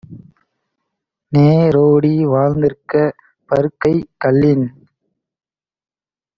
நேரோடி வாழ்ந்திருக்கப் பருக்கைக் கல்லின்